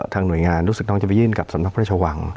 หน่วยงานรู้สึกน้องจะไปยื่นกับสำนักพระราชวัง